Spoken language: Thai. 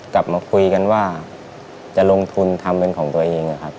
กลับมาคุยกันว่าจะลงทุนทำเป็นของตัวเองนะครับ